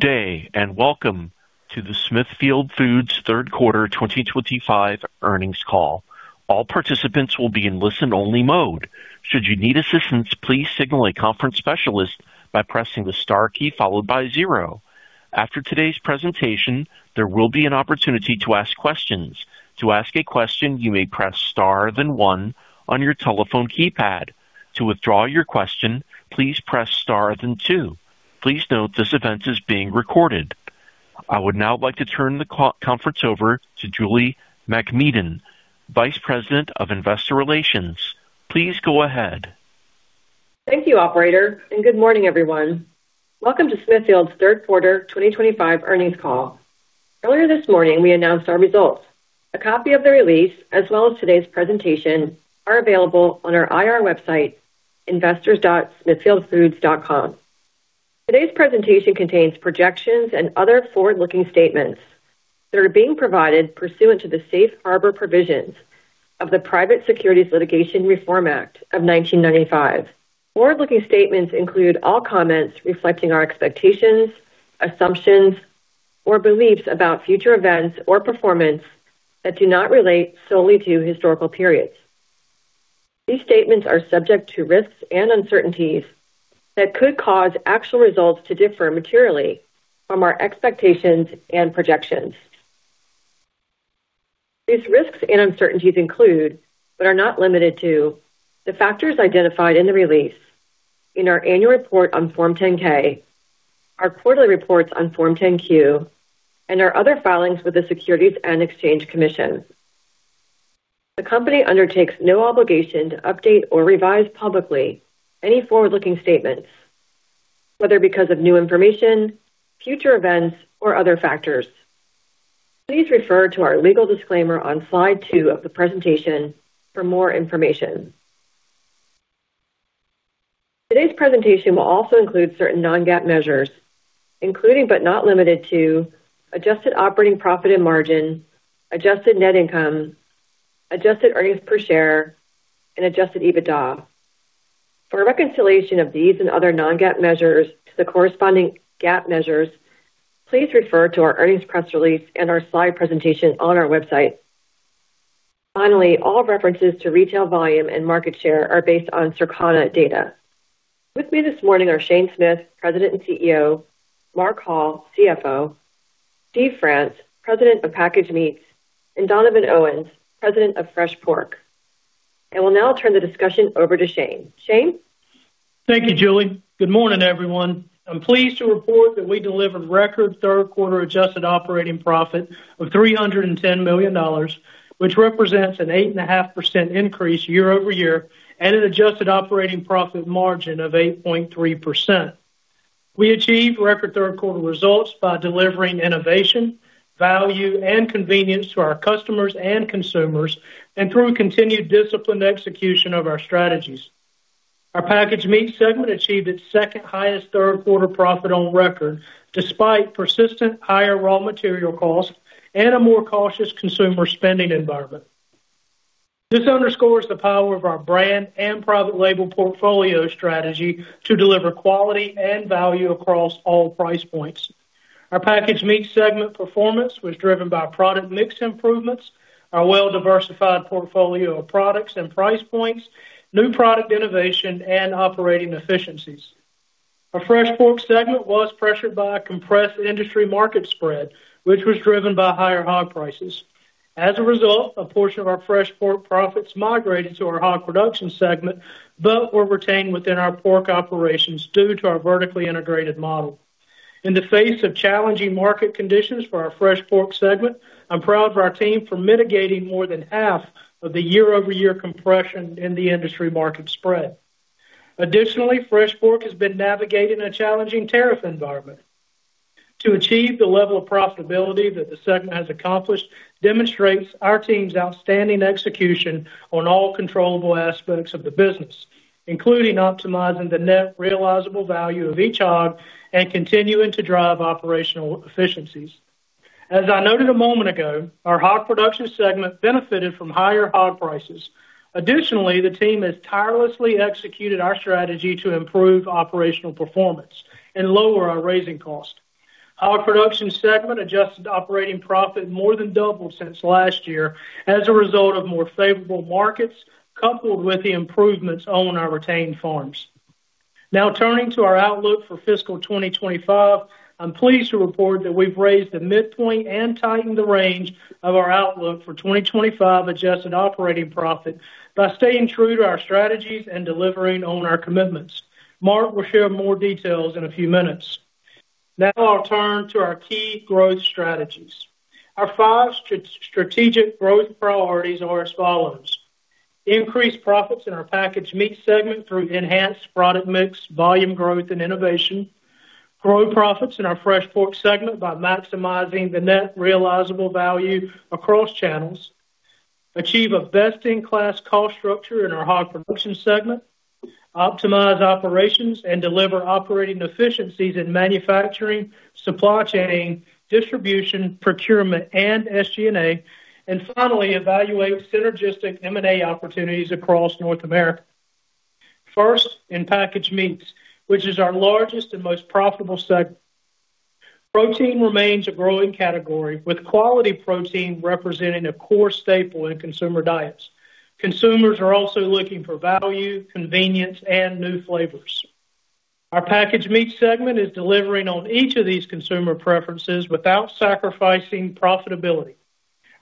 Today, and welcome to the Smithfield Foods third quarter 2025 earnings call. All participants will be in listen-only mode. Should you need assistance, please signal a conference specialist by pressing the star key followed by zero. After today's presentation, there will be an opportunity to ask questions. To ask a question, you may press star then one on your telephone keypad. To withdraw your question, please press star then two. Please note this event is being recorded. I would now like to turn the conference over to Julie MacMedan, Vice President of Investor Relations. Please go ahead. Thank you, Operator, and good morning, everyone. Welcome to Smithfield's third quarter 2025 earnings call. Earlier this morning, we announced our results. A copy of the release, as well as today's presentation, are available on our IR website, investors.smithfieldfoods.com. Today's presentation contains projections and other forward-looking statements that are being provided pursuant to the Safe Harbor provisions of the Private Securities Litigation Reform Act of 1995. Forward-looking statements include all comments reflecting our expectations, assumptions, or beliefs about future events or performance that do not relate solely to historical periods. These statements are subject to risks and uncertainties that could cause actual results to differ materially from our expectations and projections. These risks and uncertainties include, but are not limited to, the factors identified in the release, in our annual report on Form 10-K, our quarterly reports on Form 10-Q, and our other filings with the Securities and Exchange Commission. The company undertakes no obligation to update or revise publicly any forward-looking statements, whether because of new information, future events, or other factors. Please refer to our legal disclaimer on slide two of the presentation for more information. Today's presentation will also include certain non-GAAP measures, including but not limited to adjusted operating profit and margin, adjusted net income, adjusted earnings per share, and adjusted EBITDA. For reconciliation of these and other non-GAAP measures to the corresponding GAAP measures, please refer to our earnings press release and our slide presentation on our website. Finally, all references to retail volume and market share are based on Circana data. With me this morning are Shane Smith, President and CEO, Mark Hall, CFO, Steve France, President of Packaged Meats, and Donovan Owens, President of Fresh Pork. I will now turn the discussion over to Shane. Shane? Thank you, Julie. Good morning, everyone. I'm pleased to report that we delivered record third-quarter adjusted operating profit of $310 million, which represents an 8.5% increase year-over-year and an adjusted operating profit margin of 8.3%. We achieved record third-quarter results by delivering innovation, value, and convenience to our customers and consumers, and through continued disciplined execution of our strategies. Our packaged meats segment achieved its second-highest third-quarter profit on record despite persistent higher raw material costs and a more cautious consumer spending environment. This underscores the power of our brand and private label portfolio strategy to deliver quality and value across all price points. Our packaged meats segment performance was driven by product mix improvements, our well-diversified portfolio of products and price points, new product innovation, and operating efficiencies. Our fresh pork segment was pressured by a compressed industry market spread, which was driven by higher hog prices. As a result, a portion of our fresh pork profits migrated to our hog production segment but were retained within our pork operations due to our vertically integrated model. In the face of challenging market conditions for our fresh pork segment, I'm proud of our team for mitigating more than half of the year-over-year compression in the industry market spread. Additionally, fresh pork has been navigating a challenging tariff environment. To achieve the level of profitability that the segment has accomplished demonstrates our team's outstanding execution on all controllable aspects of the business, including optimizing the net realizable value of each hog and continuing to drive operational efficiencies. As I noted a moment ago, our hog production segment benefited from higher hog prices. Additionally, the team has tirelessly executed our strategy to improve operational performance and lower our raising cost. Our production segment adjusted operating profit more than doubled since last year as a result of more favorable markets, coupled with the improvements on our retained farms. Now, turning to our outlook for fiscal 2025, I'm pleased to report that we've raised the midpoint and tightened the range of our outlook for 2025 adjusted operating profit by staying true to our strategies and delivering on our commitments. Mark will share more details in a few minutes. Now, I'll turn to our key growth strategies. Our five strategic growth priorities are as follows: increase profits in our packaged meats segment through enhanced product mix, volume growth, and innovation, grow profits in our fresh pork segment by maximizing the net realizable value across channels, achieve a best-in-class cost structure in our hog production segment, optimize operations and deliver operating efficiencies in manufacturing, supply chain, distribution, procurement, and SG&A, and finally, evaluate synergistic M&A opportunities across North America. First, in packaged meats, which is our largest and most profitable segment. Protein remains a growing category, with quality protein representing a core staple in consumer diets. Consumers are also looking for value, convenience, and new flavors. Our packaged meats segment is delivering on each of these consumer preferences without sacrificing profitability.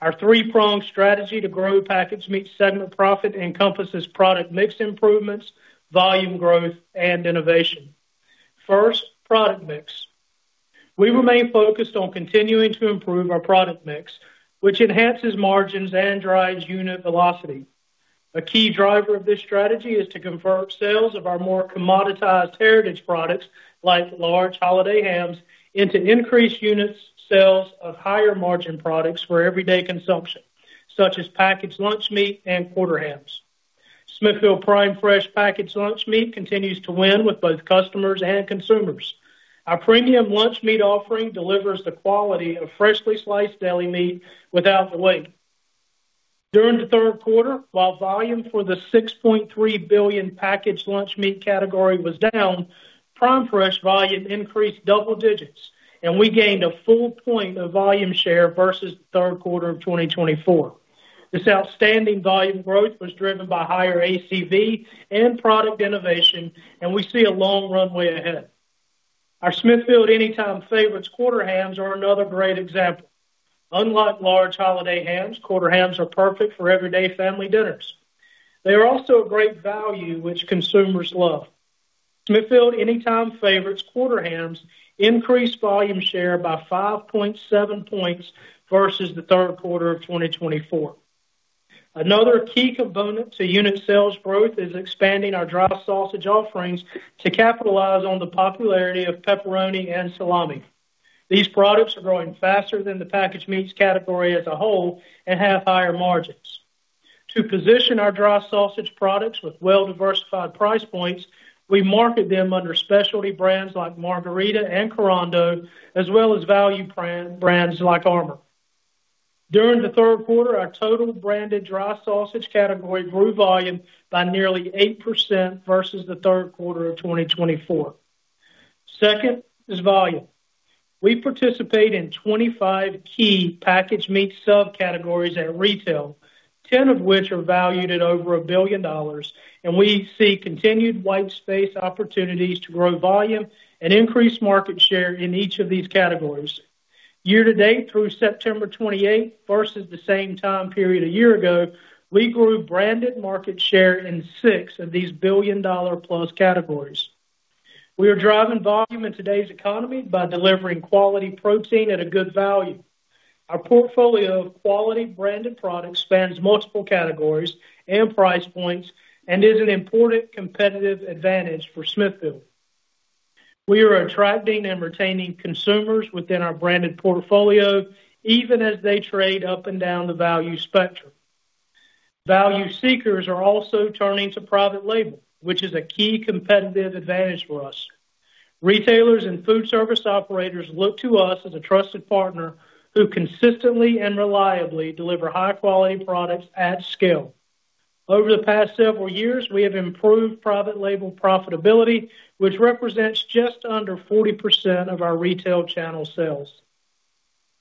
Our three-pronged strategy to grow packaged meats segment profit encompasses product mix improvements, volume growth, and innovation. First, product mix. We remain focused on continuing to improve our product mix, which enhances margins and drives unit velocity. A key driver of this strategy is to convert sales of our more commoditized heritage products, like large holiday hams, into increased unit sales of higher margin products for everyday consumption, such as packaged lunch meat and quarter hams. Smithfield Prime Fresh packaged lunch meat continues to win with both customers and consumers. Our premium lunch meat offering delivers the quality of freshly sliced deli meat without the wait. During the third quarter, while volume for the $6.3 billion packaged lunch meat category was down, Prime Fresh volume increased double digits, and we gained a full point of volume share versus the third quarter of 2024. This outstanding volume growth was driven by higher ACV and product innovation, and we see a long runway ahead. Our Smithfield Anytime Favorites quarter hams are another great example. Unlike large holiday hams, quarter hams are perfect for everyday family dinners. They are also a great value, which consumers love. Smithfield Anytime Favorites quarter hams increased volume share by 5.7 points versus the third quarter of 2024. Another key component to unit sales growth is expanding our dry sausage offerings to capitalize on the popularity of pepperoni and salami. These products are growing faster than the packaged meats category as a whole and have higher margins. To position our dry sausage products with well-diversified price points, we market them under specialty brands like Margherita and Corando, as well as value brands like Armour. During the third quarter, our total branded dry sausage category grew volume by nearly 8% versus the third quarter of 2024. Second is volume. We participate in 25 key packaged meats subcategories at retail, 10 of which are valued at over $1 billion, and we see continued white space opportunities to grow volume and increase market share in each of these categories. Year to date, through September 28 versus the same time period a year ago, we grew branded market share in six of these billion-dollar-plus categories. We are driving volume in today's economy by delivering quality protein at a good value. Our portfolio of quality branded products spans multiple categories and price points and is an important competitive advantage for Smithfield. We are attracting and retaining consumers within our branded portfolio, even as they trade up and down the value spectrum. Value seekers are also turning to private label, which is a key competitive advantage for us. Retailers and food service operators look to us as a trusted partner who consistently and reliably deliver high-quality products at scale. Over the past several years, we have improved private label profitability, which represents just under 40% of our retail channel sales.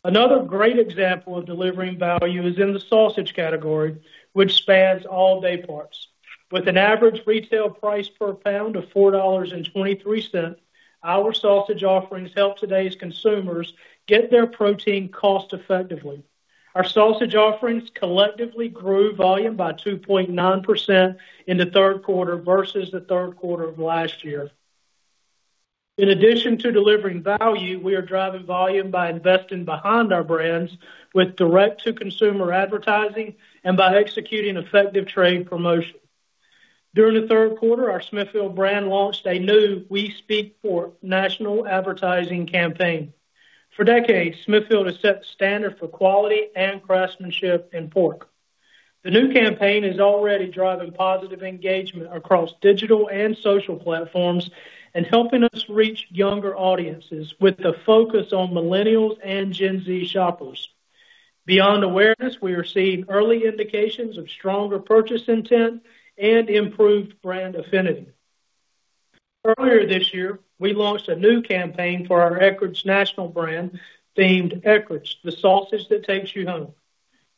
Another great example of delivering value is in the sausage category, which spans all day parts. With an average retail price per pound of $4.23, our sausage offerings help today's consumers get their protein cost effectively. Our sausage offerings collectively grew volume by 2.9% in the third quarter versus the third quarter of last year. In addition to delivering value, we are driving volume by investing behind our brands with direct-to-consumer advertising and by executing effective trade promotion. During the third quarter, our Smithfield brand launched a new We Speak Pork national advertising campaign. For decades, Smithfield has set a standard for quality and craftsmanship in pork. The new campaign is already driving positive engagement across digital and social platforms and helping us reach younger audiences with a focus on millennials and Gen Z shoppers. Beyond awareness, we receive early indications of stronger purchase intent and improved brand affinity. Earlier this year, we launched a new campaign for our Eckrich national brand themed Eckrich, the sausage that takes you home.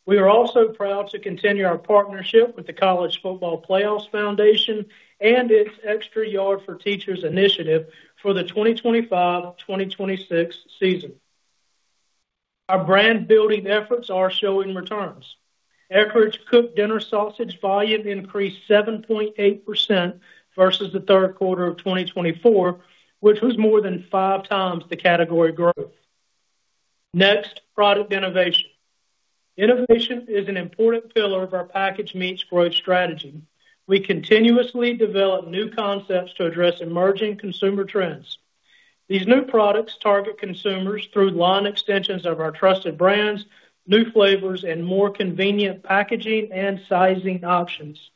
We are also proud to continue our partnership with the College Football Playoff Foundation and its Extra Yard for Teachers initiative for the 2025-2026 season. Our brand-building efforts are showing returns. Eckrich cooked dinner sausage volume increased 7.8% versus the third quarter of 2024, which was more than five times the category growth. Next, product innovation. Innovation is an important pillar of our packaged meats growth strategy. We continuously develop new concepts to address emerging consumer trends. These new products target consumers through line extensions of our trusted brands, new flavors, and more convenient packaging and sizing options.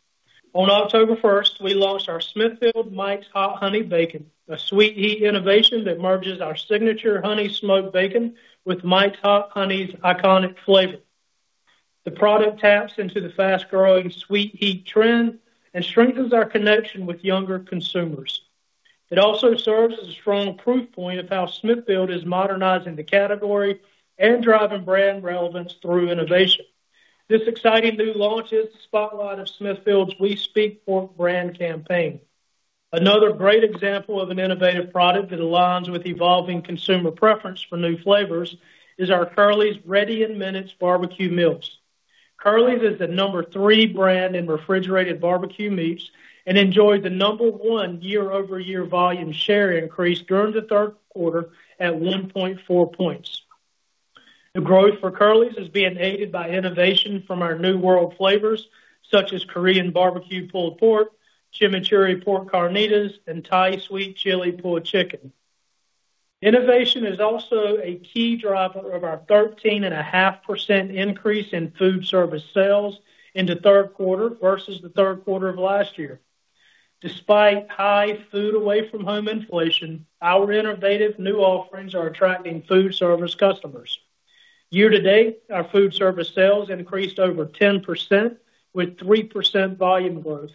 On October 1st, we launched our Smithfield Mike's Hot Honey Bacon, a sweet heat innovation that merges our signature honey-smoked bacon with Mike's Hot Honey's iconic flavor. The product taps into the fast-growing sweet heat trend and strengthens our connection with younger consumers. It also serves as a strong proof point of how Smithfield is modernizing the category and driving brand relevance through innovation. This exciting new launch is the spotlight of Smithfield's We Speak Pork brand campaign. Another great example of an innovative product that aligns with evolving consumer preference for new flavors is our Curly's Ready In Minutes BBQ Meals. Curly's is the number three brand in refrigerated barbecue meats and enjoyed the number one year-over-year volume share increase during the third quarter at 1.4 points. The growth for Curly's is being aided by innovation from our New World flavors, such as Korean BBQ Pulled Pork, Chimichurri Pork Carnitas, and Thai Sweet Chili Pulled Chicken. Innovation is also a key driver of our 13.5% increase in food service sales in the third quarter versus the third quarter of last year. Despite high food away from home inflation, our innovative new offerings are attracting food service customers. Year to date, our food service sales increased over 10% with 3% volume growth.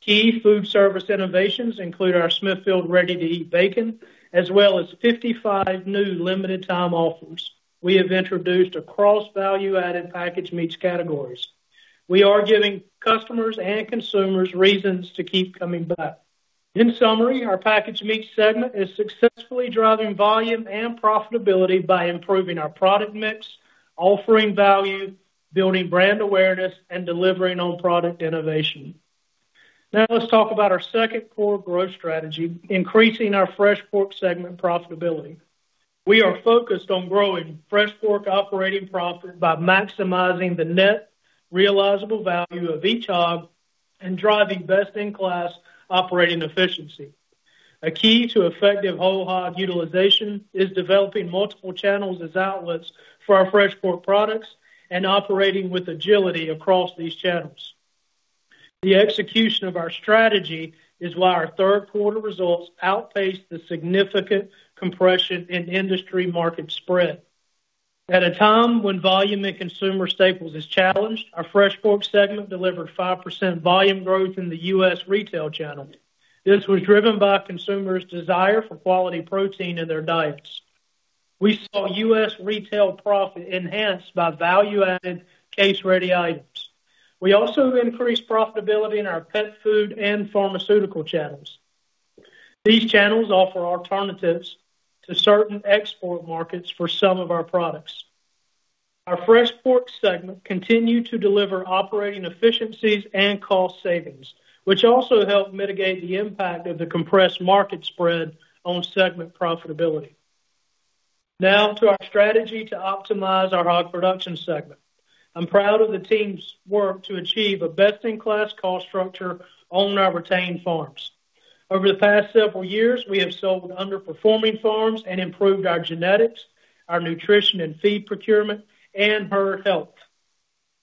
Key food service innovations include our Smithfield Ready To Eat Bacon, as well as 55 new limited-time offers we have introduced across value-added packaged meats categories. We are giving customers and consumers reasons to keep coming back. In summary, our packaged meats segment is successfully driving volume and profitability by improving our product mix, offering value, building brand awareness, and delivering on product innovation. Now, let's talk about our second core growth strategy, increasing our fresh pork segment profitability. We are focused on growing fresh pork operating profit by maximizing the net realizable value of each hog and driving best-in-class operating efficiency. A key to effective whole hog utilization is developing multiple channels as outlets for our fresh pork products and operating with agility across these channels. The execution of our strategy is why our third-quarter results outpaced the significant compression in industry market spread. At a time when volume in consumer staples is challenged, our fresh pork segment delivered 5% volume growth in the U.S. retail channel. This was driven by consumers' desire for quality protein in their diets. We saw U.S. retail profit enhanced by value-added case-ready items. We also increased profitability in our pet food and pharmaceutical channels. These channels offer alternatives to certain export markets for some of our products. Our fresh pork segment continued to deliver operating efficiencies and cost savings, which also helped mitigate the impact of the compressed market spread on segment profitability. Now, to our strategy to optimize our hog production segment. I'm proud of the team's work to achieve a best-in-class cost structure on our retained farms. Over the past several years, we have sold underperforming farms and improved our genetics, our nutrition and feed procurement, and herd health.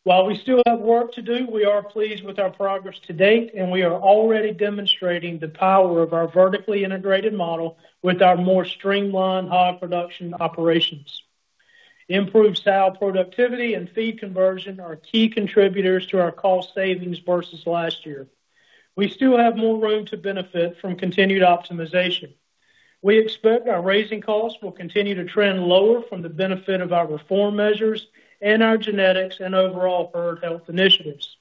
While we still have work to do, we are pleased with our progress to date, and we are already demonstrating the power of our vertically integrated model with our more streamlined hog production operations. Improved sow productivity and feed conversion are key contributors to our cost savings versus last year. We still have more room to benefit from continued optimization. We expect our raising costs will continue to trend lower from the benefit of our reform measures and our genetics and overall herd health initiatives.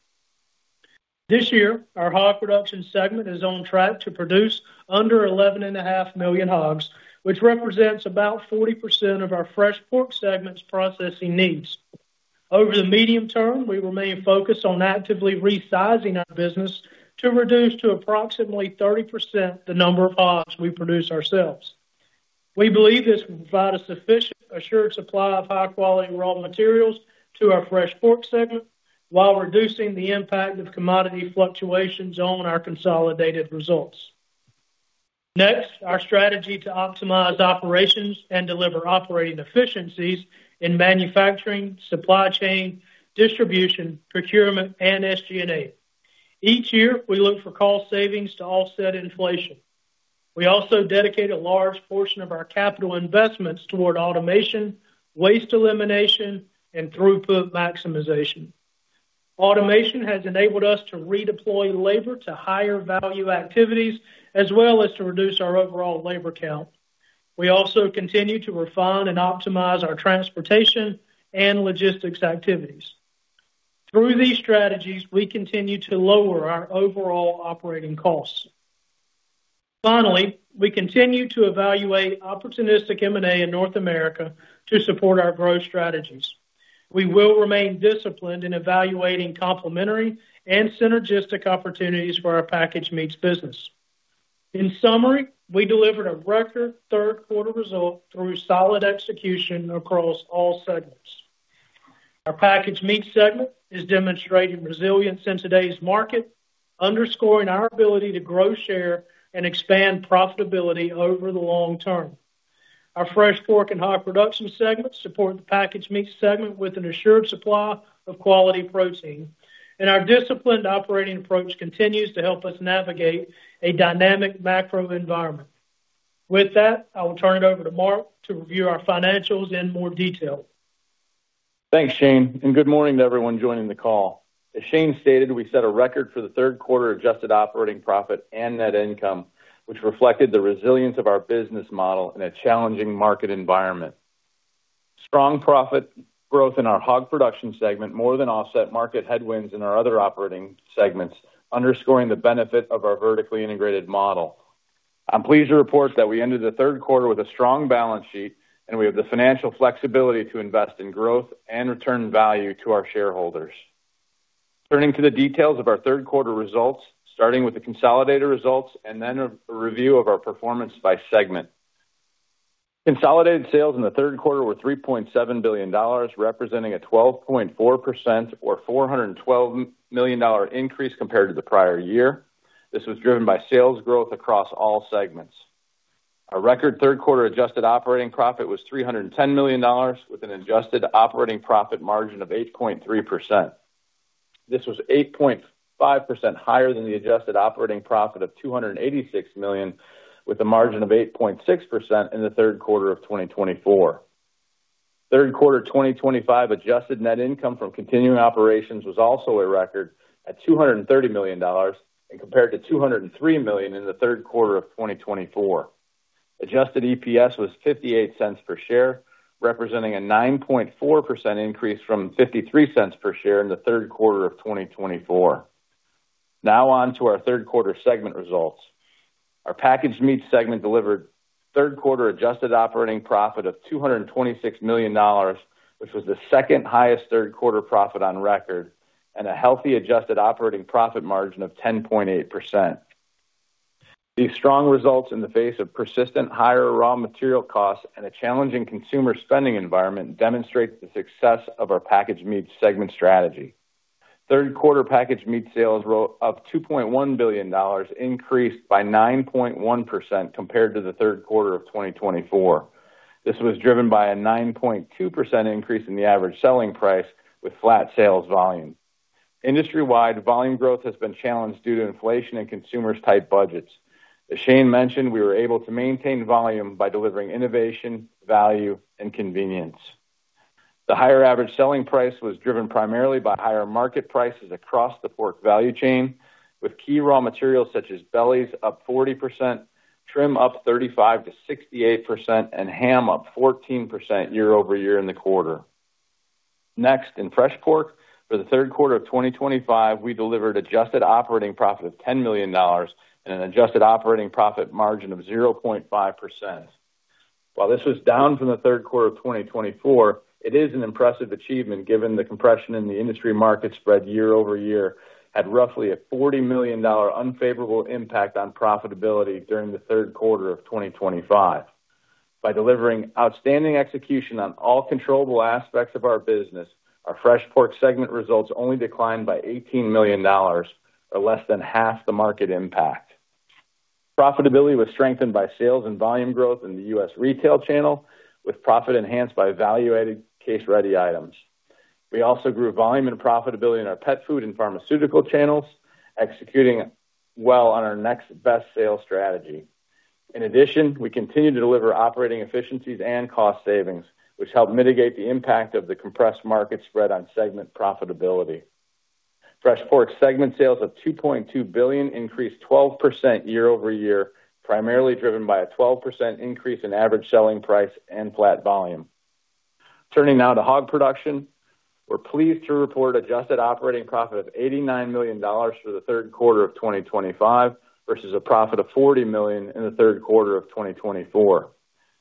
This year, our hog production segment is on track to produce under 11.5 million hogs, which represents about 40% of our fresh pork segment's processing needs. Over the medium term, we remain focused on actively resizing our business to reduce to approximately 30% the number of hogs we produce ourselves. We believe this will provide a sufficient, assured supply of high-quality raw materials to our fresh pork segment while reducing the impact of commodity fluctuations on our consolidated results. Next, our strategy to optimize operations and deliver operating efficiencies in manufacturing, supply chain, distribution, procurement, and SG&A. Each year, we look for cost savings to offset inflation. We also dedicate a large portion of our capital investments toward automation, waste elimination, and throughput maximization. Automation has enabled us to redeploy labor to higher value activities, as well as to reduce our overall labor count. We also continue to refine and optimize our transportation and logistics activities. Through these strategies, we continue to lower our overall operating costs. Finally, we continue to evaluate opportunistic M&A in North America to support our growth strategies. We will remain disciplined in evaluating complementary and synergistic opportunities for our packaged meats business. In summary, we delivered a record third-quarter result through solid execution across all segments. Our packaged meats segment is demonstrating resilience in today's market, underscoring our ability to grow share and expand profitability over the long-term. Our fresh pork and hog production segments support the packaged meats segment with an assured supply of quality protein, and our disciplined operating approach continues to help us navigate a dynamic macro environment. With that, I will turn it over to Mark to review our financials in more detail. Thanks, Shane, and good morning to everyone joining the call. As Shane stated, we set a record for the third quarter adjusted operating profit and net income, which reflected the resilience of our business model in a challenging market environment. Strong profit growth in our hog production segment more than offset market headwinds in our other operating segments, underscoring the benefit of our vertically integrated model. I'm pleased to report that we ended the third quarter with a strong balance sheet, and we have the financial flexibility to invest in growth and return value to our shareholders. Turning to the details of our third-quarter results, starting with the consolidated results and then a review of our performance by segment. Consolidated sales in the third quarter were $3.7 billion, representing a 12.4% or $412 million increase compared to the prior year. This was driven by sales growth across all segments. Our record third-quarter adjusted operating profit was $310 million, with an adjusted operating profit margin of 8.3%. This was 8.5% higher than the adjusted operating profit of $286 million, with a margin of 8.6% in the third quarter of 2024. Third quarter 2025 adjusted net income from continuing operations was also a record at $230 million, and compared to $203 million in the third quarter of 2024. Adjusted EPS was $0.58 per share, representing a 9.4% increase from $0.53 per share in the third quarter of 2024. Now on to our third-quarter segment results. Our packaged meats segment delivered third-quarter adjusted operating profit of $226 million, which was the second-highest third-quarter profit on record, and a healthy adjusted operating profit margin of 10.8%. These strong results in the face of persistent higher raw material costs and a challenging consumer spending environment demonstrate the success of our packaged meats segment strategy. Third-quarter packaged meats sales were up $2.1 billion, increased by 9.1% compared to the third quarter of 2024. This was driven by a 9.2% increase in the average selling price with flat sales volume. Industry-wide, volume growth has been challenged due to inflation and consumers' tight budgets. As Shane mentioned, we were able to maintain volume by delivering innovation, value, and convenience. The higher average selling price was driven primarily by higher market prices across the pork value chain, with key raw materials such as bellies up 40%, trim up 35% to 68%, and ham up 14% year-over-year in the quarter. Next, in fresh pork, for the third quarter of 2025, we delivered adjusted operating profit of $10 million and an adjusted operating profit margin of 0.5%. While this was down from the third quarter of 2024, it is an impressive achievement given the compression in the industry market spread year-over-year, had roughly a $40 million unfavorable impact on profitability during the third quarter of 2025. By delivering outstanding execution on all controllable aspects of our business, our fresh pork segment results only declined by $18 million, or less than half the market impact. Profitability was strengthened by sales and volume growth in the U.S. retail channel, with profit enhanced by value-added case-ready items. We also grew volume and profitability in our pet food and pharmaceutical channels, executing well on our next best sales strategy. In addition, we continue to deliver operating efficiencies and cost savings, which help mitigate the impact of the compressed market spread on segment profitability. Fresh pork segment sales of $2.2 billion increased 12% year-over-year, primarily driven by a 12% increase in average selling price and flat volume. Turning now to hog production, we're pleased to report adjusted operating profit of $89 million for the third quarter of 2025 versus a profit of $40 million in the third quarter of 2024.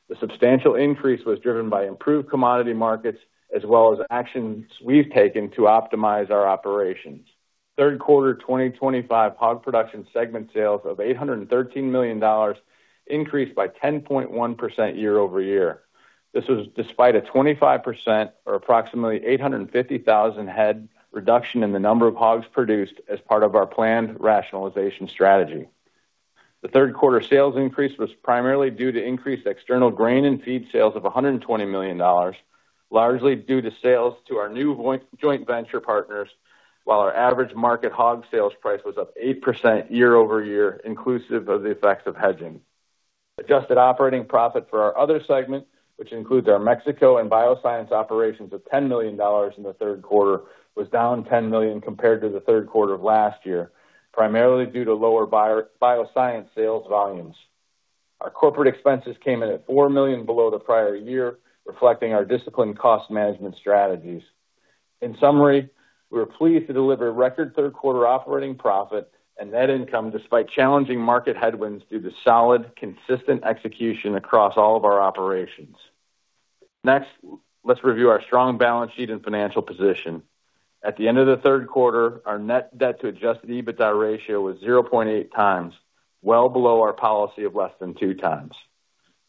The substantial increase was driven by improved commodity markets, as well as actions we've taken to optimize our operations. Third quarter 2025 hog production segment sales of $813 million increased by 10.1% year-over-year. This was despite a 25% or approximately 850,000 head reduction in the number of hogs produced as part of our planned rationalization strategy. The third quarter sales increase was primarily due to increased external grain and feed sales of $120 million, largely due to sales to our new joint venture partners, while our average market hog sales price was up 8% year-over-year, inclusive of the effects of hedging. Adjusted operating profit for our other segment, which includes our Mexico and bioscience operations of $10 million in the third quarter, was down $10 million compared to the third quarter of last year, primarily due to lower bioscience sales volumes. Our corporate expenses came in at $4 million below the prior year, reflecting our disciplined cost management strategies. In summary, we are pleased to deliver record third-quarter operating profit and net income despite challenging market headwinds due to solid, consistent execution across all of our operations. Next, let's review our strong balance sheet and financial position. At the end of the third quarter, our net debt to adjusted EBITDA ratio was 0.8x, well below our policy of less than two times.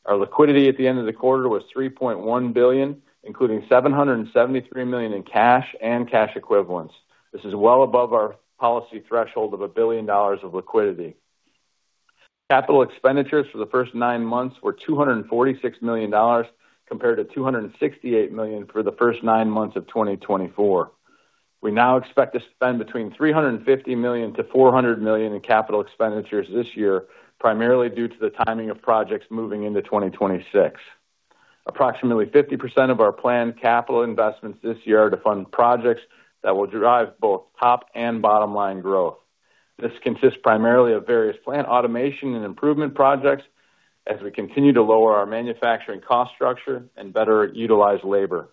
Our liquidity at the end of the quarter was $3.1 billion, including $773 million in cash and cash equivalents. This is well above our policy threshold of $1 billion of liquidity. Capital expenditures for the first nine months were $246 million compared to $268 million for the first nine months of 2024. We now expect to spend between $350 million-$400 million in capital expenditures this year, primarily due to the timing of projects moving into 2026. Approximately 50% of our planned capital investments this year are to fund projects that will drive both top and bottom line growth. This consists primarily of various plant automation and improvement projects as we continue to lower our manufacturing cost structure and better utilize labor.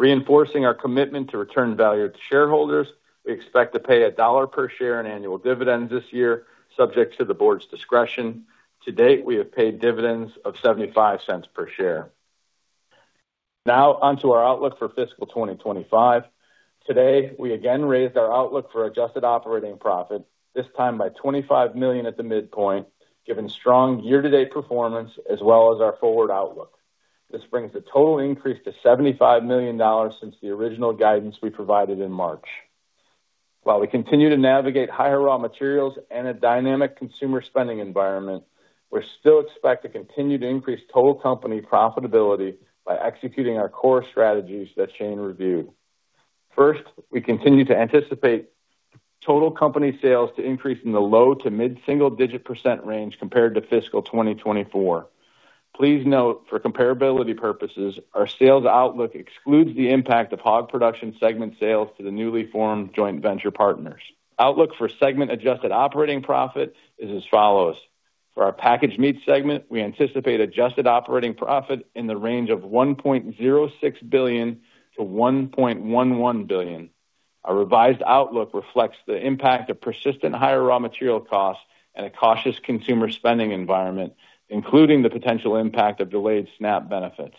Reinforcing our commitment to return value to shareholders, we expect to pay $1 per share in annual dividends this year, subject to the board's discretion. To date, we have paid dividends of $0.75 per share. Now on to our outlook for fiscal 2025. Today, we again raised our outlook for adjusted operating profit, this time by $25 million at the midpoint, given strong year-to-date performance as well as our forward outlook. This brings a total increase to $75 million since the original guidance we provided in March. While we continue to navigate higher raw materials and a dynamic consumer spending environment, we still expect to continue to increase total company profitability by executing our core strategies that Shane reviewed. First, we continue to anticipate total company sales to increase in the low to mid-single-digit percent range compared to fiscal 2024. Please note, for comparability purposes, our sales outlook excludes the impact of hog production segment sales to the newly formed joint venture partners. Outlook for segment adjusted operating profit is as follows. For our packaged meats segment, we anticipate adjusted operating profit in the range of $1.06 billion-$1.11 billion. Our revised outlook reflects the impact of persistent higher raw material costs and a cautious consumer spending environment, including the potential impact of delayed SNAP benefits.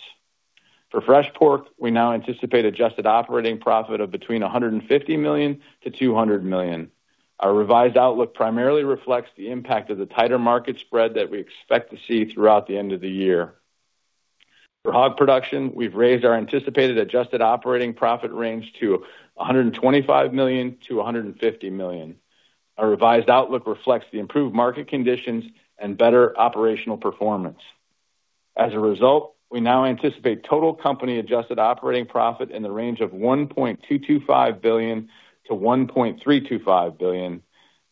For fresh pork, we now anticipate adjusted operating profit of between $150 million-$200 million. Our revised outlook primarily reflects the impact of the tighter market spread that we expect to see throughout the end of the year. For hog production, we've raised our anticipated adjusted operating profit range to $125 million-$150 million. Our revised outlook reflects the improved market conditions and better operational performance. As a result, we now anticipate total company adjusted operating profit in the range of $1.225 billion-$1.325 billion,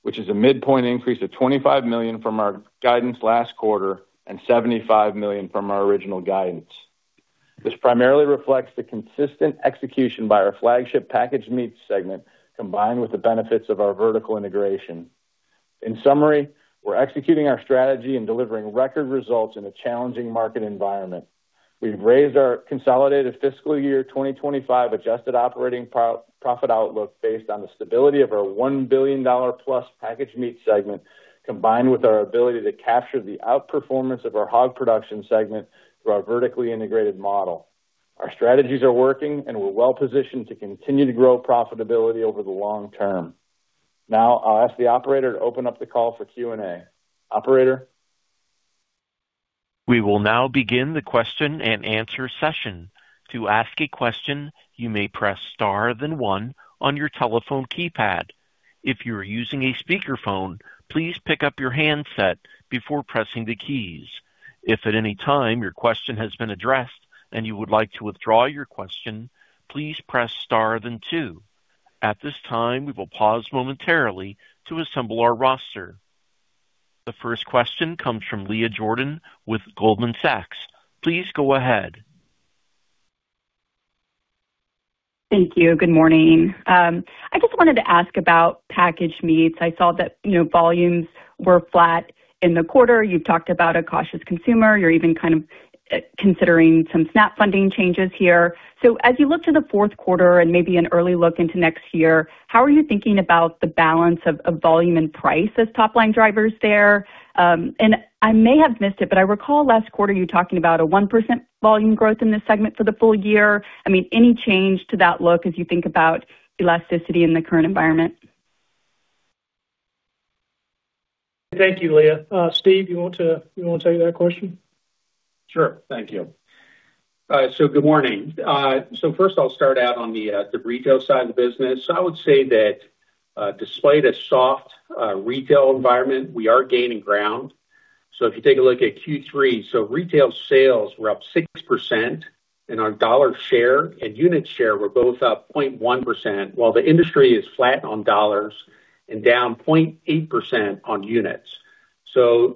which is a midpoint increase of $25 million from our guidance last quarter and $75 million from our original guidance. This primarily reflects the consistent execution by our flagship packaged meats segment, combined with the benefits of our vertical integration. In summary, we're executing our strategy and delivering record results in a challenging market environment. We've raised our consolidated fiscal year 2025 adjusted operating profit outlook based on the stability of our $1 billion+ packaged meats segment, combined with our ability to capture the outperformance of our hog production segment through our vertically integrated model. Our strategies are working, and we're well positioned to continue to grow profitability over the long-term. Now, I'll ask the operator to open up the call for Q&A. Operator? We will now begin the question and answer session. To ask a question, you may press star then one on your telephone keypad. If you are using a speakerphone, please pick up your handset before pressing the keys. If at any time your question has been addressed and you would like to withdraw your question, please press star then two. At this time, we will pause momentarily to assemble our roster. The first question comes from Leah Jordan with Goldman Sachs. Please go ahead. Thank you. Good morning. I just wanted to ask about packaged meats. I saw that, you know, volumes were flat in the quarter. You've talked about a cautious consumer. You're even kind of considering some SNAP funding changes here. As you look to the fourth quarter and maybe an early look into next year, how are you thinking about the balance of volume and price as top-line drivers there? I may have missed it, but I recall last quarter you talking about a 1% volume growth in this segment for the full year. I mean, any change to that look as you think about elasticity in the current environment? Thank you, Leah. Steve, you want to take that question? Sure. Thank you. All right. Good morning. First, I'll start out on the retail side of the business. I would say that despite a soft retail environment, we are gaining ground. If you take a look at Q3, retail sales were up 6%, and our dollar share and unit share were both up 0.1%, while the industry is flat on dollars and down 0.8% on units.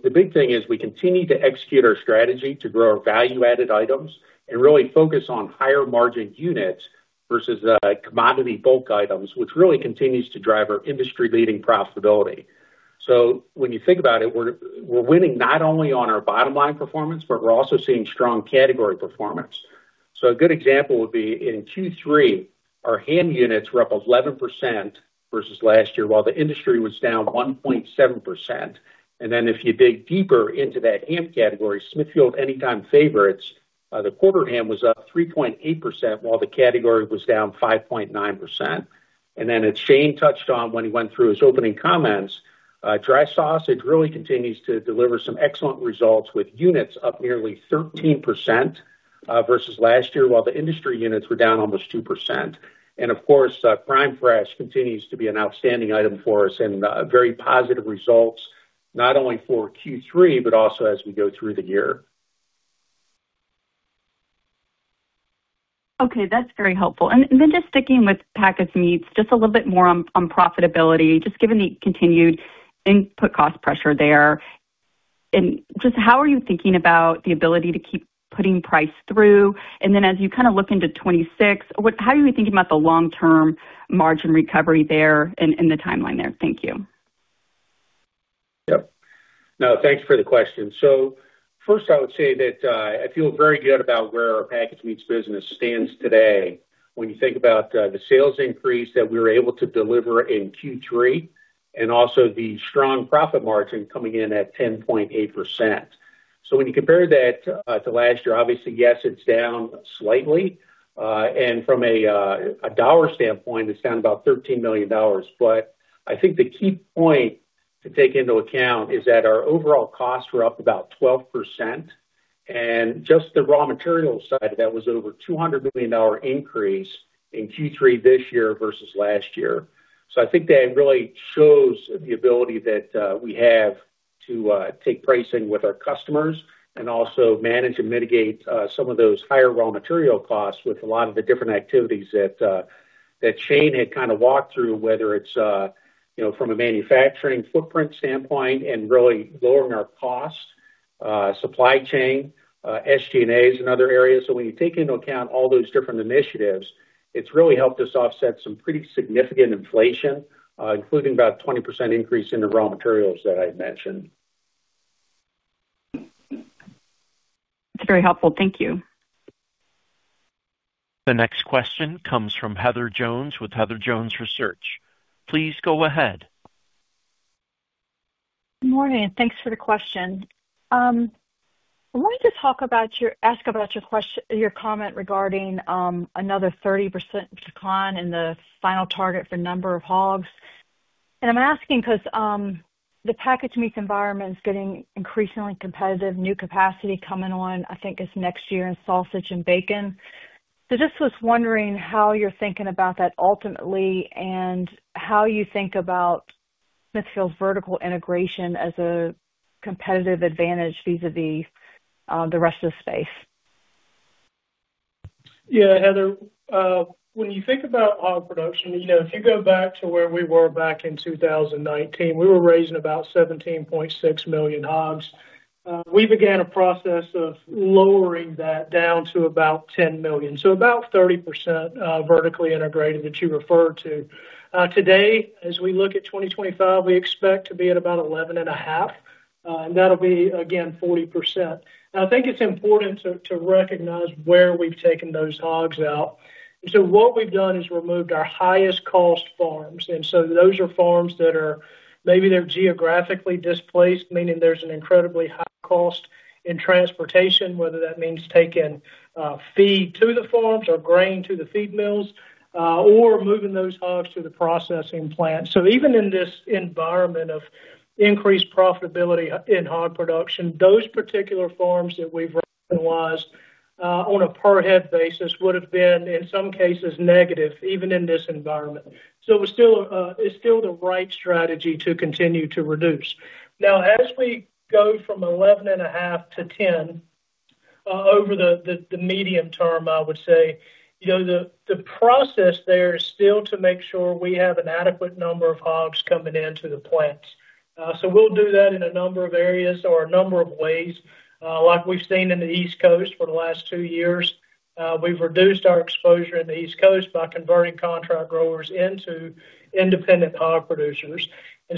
The big thing is we continue to execute our strategy to grow our value-added items and really focus on higher margin units versus commodity bulk items, which really continues to drive our industry-leading profitability. When you think about it, we're winning not only on our bottom line performance, but we're also seeing strong category performance. A good example would be in Q3, our ham units were up 11% versus last year, while the industry was down 1.7%. If you dig deeper into that ham category, Smithfield Anytime Favorites quarter hams were up 3.8%, while the category was down 5.9%. As Shane touched on when he went through his opening comments, dry sausage really continues to deliver some excellent results with units up nearly 13% versus last year, while the industry units were down almost 2%. Of course, Smithfield Prime Fresh lunch meat continues to be an outstanding item for us and very positive results, not only for Q3, but also as we go through the year. Okay. That's very helpful. Just sticking with packaged meats, just a little bit more on profitability, just given the continued input cost pressure there. How are you thinking about the ability to keep putting price through? As you kind of look into 2026, how are you thinking about the long-term margin recovery there and the timeline there? Thank you. Yeah. No, thanks for the question. First, I would say that I feel very good about where our packaged meats business stands today when you think about the sales increase that we were able to deliver in Q3 and also the strong profit margin coming in at 10.8%. When you compare that to last year, obviously, yes, it's down slightly, and from a dollar standpoint, it's down about $13 million. I think the key point to take into account is that our overall costs were up about 12%, and just the raw materials side of that was over a $200 million increase in Q3 this year versus last year. I think that really shows the ability that we have to take pricing with our customers and also manage and mitigate some of those higher raw material costs with a lot of the different activities that Shane had kind of walked through, whether it's from a manufacturing footprint standpoint and really lowering our cost, supply chain, SG&As, and other areas. When you take into account all those different initiatives, it's really helped us offset some pretty significant inflation, including about a 20% increase in the raw materials that I mentioned. That's very helpful. Thank you. The next question comes from Heather Jones with Heather Jones Research. Please go ahead. Good morning. Thanks for the question. I wanted to talk about your question, your comment regarding another 30% decline in the final target for number of hogs. I'm asking because the packaged meat environment is getting increasingly competitive, with new capacity coming on, I think it's next year in sausage and bacon. I was wondering how you're thinking about that ultimately and how you think about Smithfield's vertical integration as a competitive advantage vis-à-vis the rest of the space. Yeah, Heather. When you think about hog production, if you go back to where we were back in 2019, we were raising about 17.6 million hogs. We began a process of lowering that down to about 10 million, so about 30% vertically integrated that you referred to. Today, as we look at 2025, we expect to be at about 11.5 million, and that'll be, again, 40%. I think it's important to recognize where we've taken those hogs out. What we've done is removed our highest cost farms. Those are farms that are maybe they're geographically displaced, meaning there's an incredibly high cost in transportation, whether that means taking feed to the farms or grain to the feed mills or moving those hogs to the processing plant. Even in this environment of increased profitability in hog production, those particular farms that we've rationalized on a per head basis would have been, in some cases, negative, even in this environment. It's still the right strategy to continue to reduce. As we go from 11.5 million to 10 million over the medium term, I would say the process there is still to make sure we have an adequate number of hogs coming into the plants. We'll do that in a number of areas or a number of ways. Like we've seen in the East Coast for the last two years, we've reduced our exposure in the East Coast by converting contract growers into independent hog producers.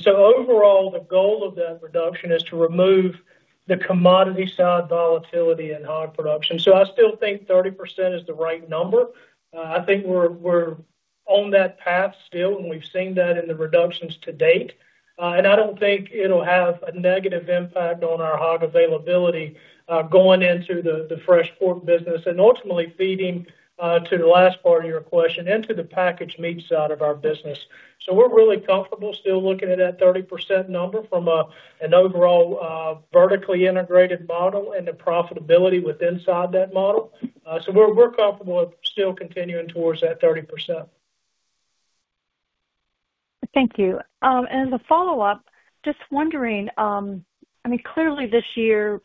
Overall, the goal of that reduction is to remove the commodity side volatility in hog production. I still think 30% is the right number. I think we're on that path still, and we've seen that in the reductions to date. I don't think it'll have a negative impact on our hog availability going into the fresh pork business and ultimately feeding, to the last part of your question, into the packaged meats side of our business. We're really comfortable still looking at that 30% number from an overall vertically integrated model and the profitability within that model. We're comfortable still continuing towards that 30%. Thank you. As a follow-up, just wondering, I mean, clearly this year,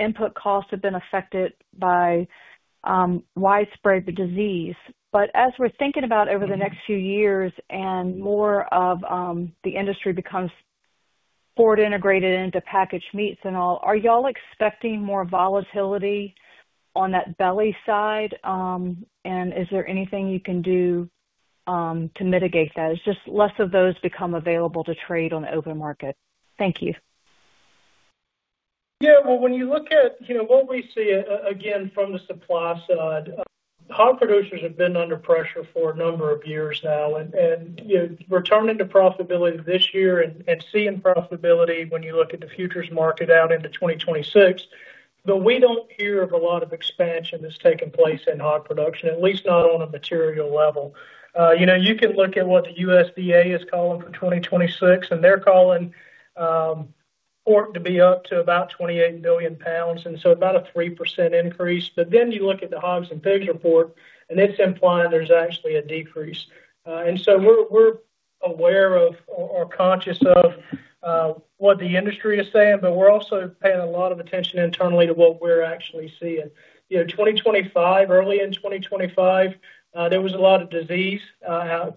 input costs have been affected by widespread disease. As we're thinking about over the next few years and more of the industry becomes forward integrated into packaged meats and all, are y'all expecting more volatility on that belly side? Is there anything you can do to mitigate that? It's just less of those become available to trade on the open market. Thank you. Yeah. When you look at what we see, again, from the supply side, hog producers have been under pressure for a number of years now. We're turning to profitability this year and seeing profitability when you look at the futures market out into 2026. We don't hear of a lot of expansion that's taking place in hog production, at least not on a material level. You can look at what the USDA is calling for 2026, and they're calling pork to be up to about 28 billion pounds, so about a 3% increase. You look at the hogs and pigs report, and it's implying there's actually a decrease. We're aware of or conscious of what the industry is saying, but we're also paying a lot of attention internally to what we're actually seeing. Early in 2025, there was a lot of disease,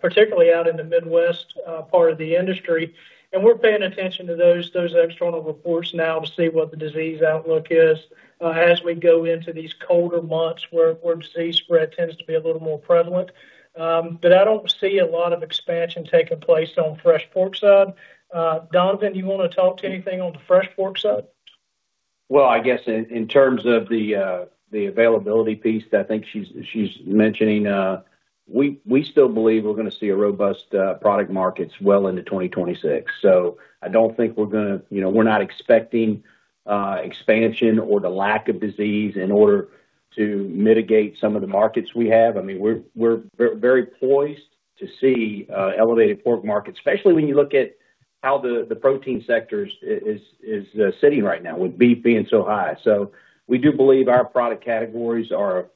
particularly out in the Midwest part of the industry. We're paying attention to those external reports now to see what the disease outlook is as we go into these colder months where disease spread tends to be a little more prevalent. I don't see a lot of expansion taking place on the fresh pork side. Don, do you want to talk to anything on the fresh pork side? In terms of the availability piece that I think she's mentioning, we still believe we're going to see a robust product market well into 2026. I don't think we're expecting expansion or the lack of disease in order to mitigate some of the markets we have. I mean, we're very poised to see elevated pork markets, especially when you look at how the protein sector is sitting right now with beef being so high. We do believe our product categories are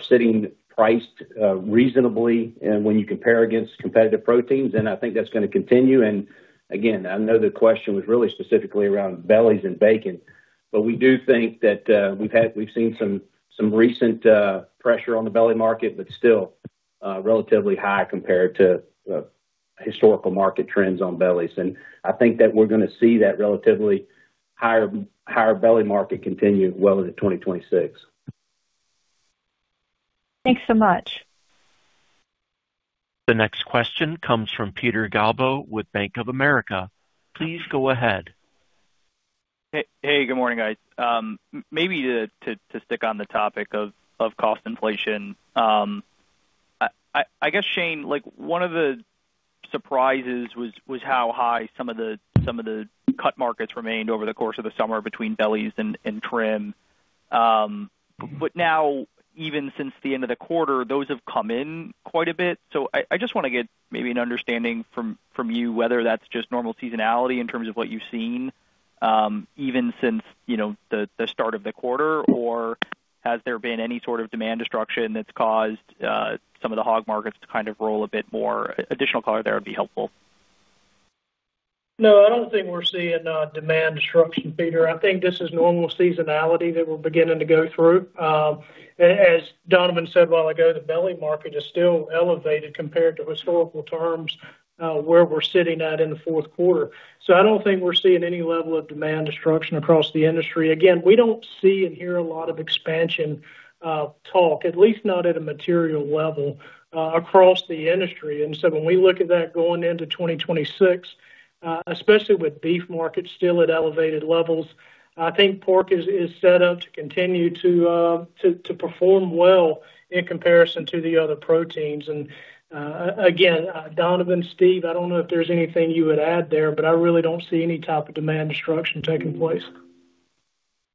sitting priced reasonably when you compare against competitive proteins, and I think that's going to continue. I know the question was really specifically around bellies and bacon, but we do think that we've seen some recent pressure on the belly market, but still relatively high compared to historical market trends on bellies. I think that we're going to see that relatively higher belly market continue well into 2026. Thanks so much. The next question comes from Peter Galbo with Bank of America. Please go ahead. Hey, good morning, guys. Maybe to stick on the topic of cost inflation, I guess, Shane, like one of the surprises was how high some of the cut markets remained over the course of the summer between bellies and trim. Now, even since the end of the quarter, those have come in quite a bit. I just want to get maybe an understanding from you whether that's just normal seasonality in terms of what you've seen even since the start of the quarter, or has there been any sort of demand destruction that's caused some of the hog markets to kind of roll a bit more? Additional color there would be helpful. No, I don't think we're seeing demand destruction, Peter. I think this is normal seasonality that we're beginning to go through. As Donovan said a while ago, the belly market is still elevated compared to historical terms where we're sitting at in the fourth quarter. I don't think we're seeing any level of demand destruction across the industry. We don't see and hear a lot of expansion talk, at least not at a material level across the industry. When we look at that going into 2026, especially with beef markets still at elevated levels, I think pork is set up to continue to perform well in comparison to the other proteins. Donovan, Steve, I don't know if there's anything you would add there, but I really don't see any type of demand destruction taking place.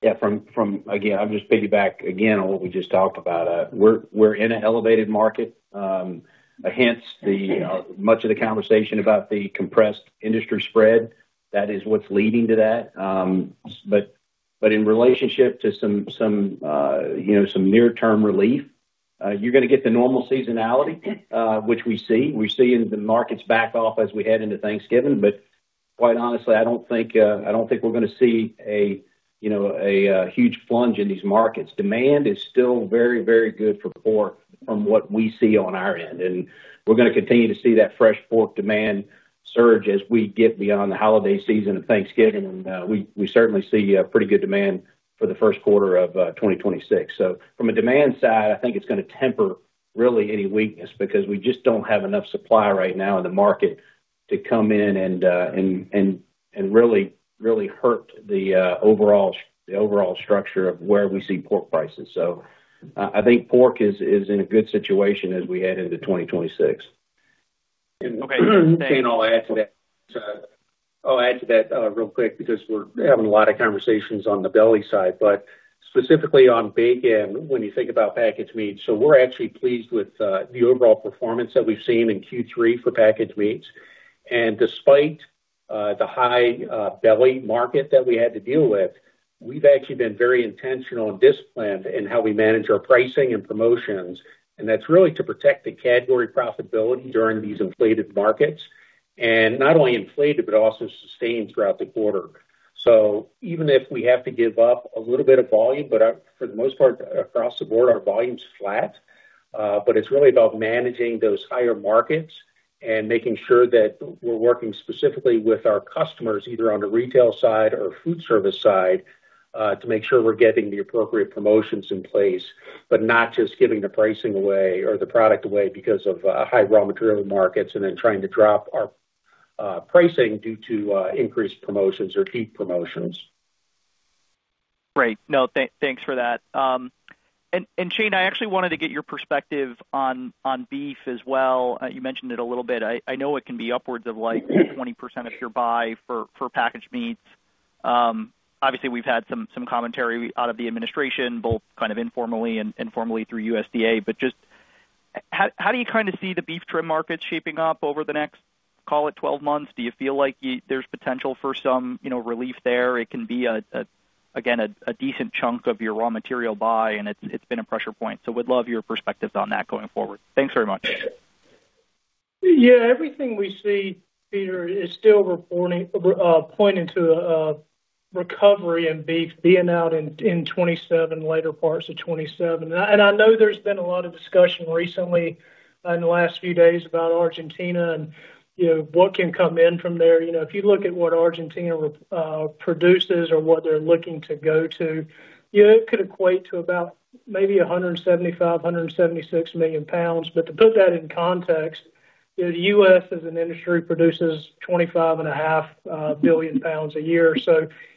Yeah. I'll just piggyback again on what we just talked about. We're in an elevated market, hence much of the conversation about the compressed industry spread. That is what's leading to that. In relationship to some near-term relief, you're going to get the normal seasonality, which we see. We're seeing the markets back off as we head into Thanksgiving. Quite honestly, I don't think we're going to see a huge plunge in these markets. Demand is still very, very good for pork from what we see on our end. We're going to continue to see that fresh pork demand surge as we get beyond the holiday season of Thanksgiving. We certainly see a pretty good demand for the first quarter of 2026. From a demand side, I think it's going to temper really any weakness because we just don't have enough supply right now in the market to come in and really, really hurt the overall structure of where we see pork prices. I think pork is in a good situation as we head into 2026. Okay. Shane, I'll add to that real quick because we're having a lot of conversations on the belly side. Specifically on bacon, when you think about packaged meats, we're actually pleased with the overall performance that we've seen in Q3 for packaged meats. Despite the high belly market that we had to deal with, we've actually been very intentional and disciplined in how we manage our pricing and promotions. That's really to protect the category profitability during these inflated markets, and not only inflated but also sustained throughout the quarter. Even if we have to give up a little bit of volume, for the most part, across the board, our volume's flat. It's really about managing those higher markets and making sure that we're working specifically with our customers, either on the retail side or food service side, to make sure we're getting the appropriate promotions in place, not just giving the pricing away or the product away because of high raw material markets and then trying to drop our pricing due to increased promotions or peak promotions. Right. No, thanks for that. Shane, I actually wanted to get your perspective on beef as well. You mentioned it a little bit. I know it can be upwards of like 20% of your buy for packaged meats. Obviously, we've had some commentary out of the administration, both kind of informally and informally through USDA. Just how do you kind of see the beef trim markets shaping up over the next, call it, 12 months? Do you feel like there's potential for some relief there? It can be, again, a decent chunk of your raw material buy, and it's been a pressure point. We'd love your perspectives on that going forward. Thanks very much. Yeah. Everything we see, Peter, is still pointing to a recovery in beef being out in 2027, later parts of 2027. I know there's been a lot of discussion recently in the last few days about Argentina and you know what can come in from there. If you look at what Argentina produces or what they're looking to go to, it could equate to about maybe 175, 176 million pounds. To put that in context, the U.S., as an industry, produces 25.5 billion pounds a year.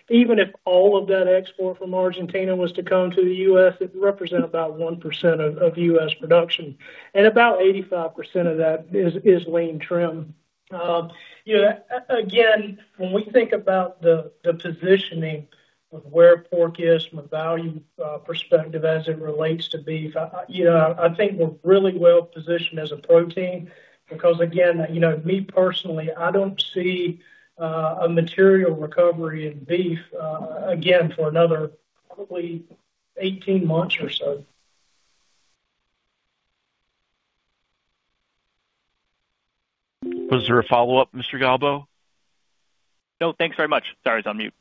Even if all of that export from Argentina was to come to the U.S., it would represent about 1% of U.S. production. About 85% of that is lean trim. Again, when we think about the positioning of where pork is from a value perspective as it relates to beef, I think we're really well positioned as a protein because, again, me personally, I don't see a material recovery in beef, again, for another probably 18 months or so. Was there a follow-up, Mr. Galbo? No, thanks very much. Sorry, I was on mute.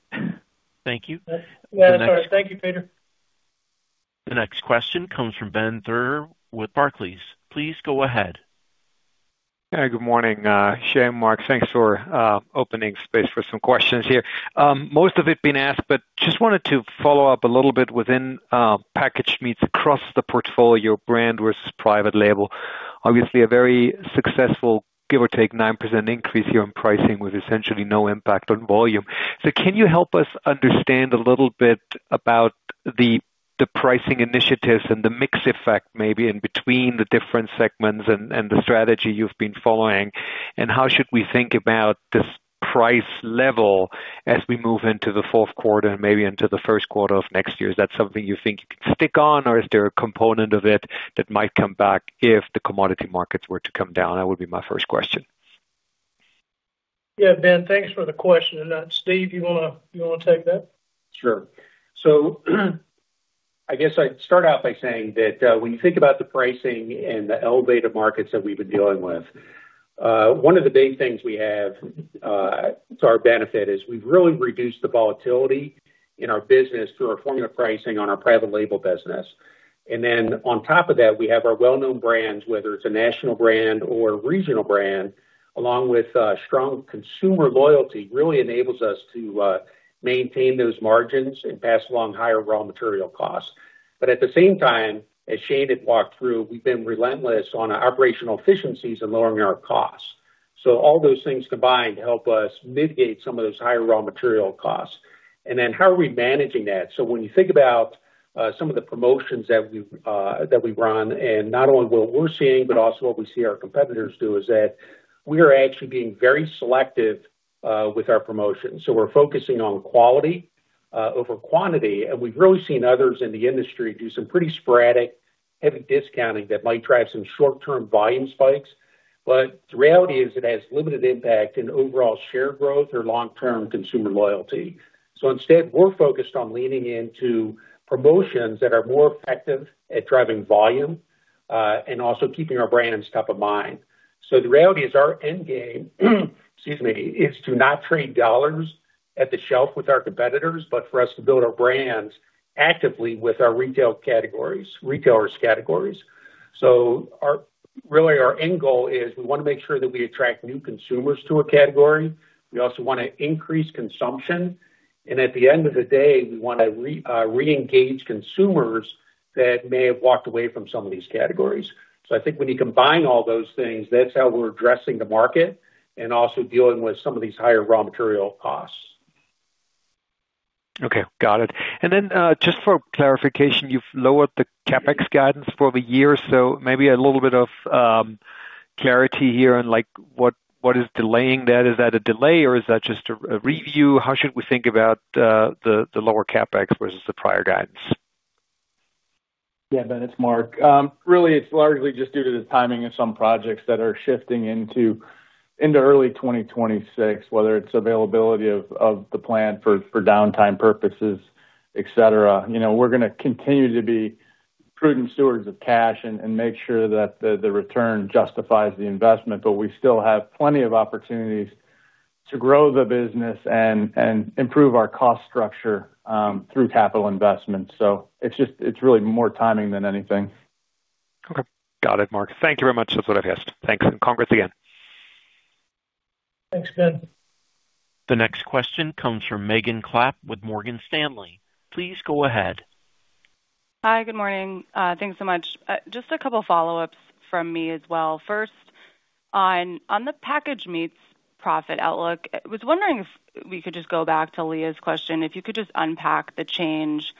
Thank you. Yeah, that's all right. Thank you, Peter. The next question comes from Ben Theurer with Barclays. Please go ahead. Yeah, good morning, Shane, Mark. Thanks for opening space for some questions here. Most of it being asked, but just wanted to follow up a little bit within packaged meats across the portfolio, brand versus private label. Obviously, a very successful, give or take, 9% increase here in pricing with essentially no impact on volume. Can you help us understand a little bit about the pricing initiatives and the mix effect maybe in between the different segments and the strategy you've been following? How should we think about this price level as we move into the fourth quarter and maybe into the first quarter of next year? Is that something you think you can stick on, or is there a component of it that might come back if the commodity markets were to come down? That would be my first question. Yeah, Ben, thanks for the question. Steve, you want to take that? Sure. I guess I'd start out by saying that when you think about the pricing and the elevated markets that we've been dealing with, one of the big things we have to our benefit is we've really reduced the volatility in our business through our formula pricing on our private label business. On top of that, we have our well-known brands, whether it's a national brand or a regional brand, along with strong consumer loyalty, which really enables us to maintain those margins and pass along higher raw material costs. At the same time, as Shane had walked through, we've been relentless on operational efficiencies and lowering our costs. All those things combined help us mitigate some of those higher raw material costs. When you think about some of the promotions that we run, and not only what we're seeing, but also what we see our competitors do, we are actually being very selective with our promotions. We're focusing on quality over quantity. We've really seen others in the industry do some pretty sporadic heavy discounting that might drive some short-term volume spikes. The reality is it has limited impact in overall share growth or long-term consumer loyalty. Instead, we're focused on leaning into promotions that are more effective at driving volume and also keeping our brands top of mind. The reality is our end game, excuse me, is to not trade dollars at the shelf with our competitors, but for us to build our brands actively with our retailers' categories. Our end goal is we want to make sure that we attract new consumers to a category. We also want to increase consumption. At the end of the day, we want to re-engage consumers that may have walked away from some of these categories. When you combine all those things, that's how we're addressing the market and also dealing with some of these higher raw material costs. Okay. Got it. Just for clarification, you've lowered the CapEx guidance for the year. Maybe a little bit of clarity here on what is delaying that. Is that a delay, or is that just a review? How should we think about the lower CapEx versus the prior guidance? Yeah, Ben, it's Mark. Really, it's largely just due to the timing of some projects that are shifting into early 2026, whether it's availability of the plant for downtime purposes, etc. We're going to continue to be prudent stewards of cash and make sure that the return justifies the investment, but we still have plenty of opportunities to grow the business and improve our cost structure through capital investments. It's really more timing than anything. Okay. Got it, Mark. Thank you very much. That's what I've asked. Thanks, and congrats again. Thanks, Ben. The next question comes from Megan Clapp with Morgan Stanley. Please go ahead. Hi, good morning. Thanks so much. Just a couple of follow-ups from me as well. First, on the packaged meats profit outlook, I was wondering if we could just go back to Leah's question, if you could just unpack the change